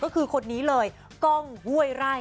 ก็คือคนนี้เลยกล้องห้วยไร่